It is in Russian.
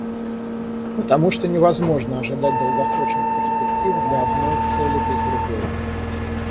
Потому что невозможно ожидать долгосрочных перспектив для одной цели без другой.